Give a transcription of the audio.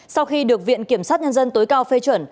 sau khi được viện kiểm sát nhân dân tối cao phê chuẩn